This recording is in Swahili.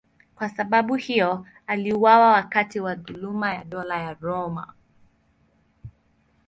Kwa sababu hiyo aliuawa wakati wa dhuluma ya Dola la Roma.